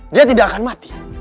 dia tidak akan mati